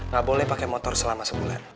ga boleh pake motor selama sebulan